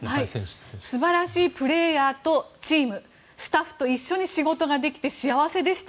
素晴らしいプレーヤーとチーム、スタッフと一緒に仕事ができて幸せでした。